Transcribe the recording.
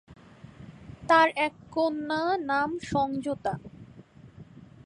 তাঁর এক কন্যা নাম-সংযতা।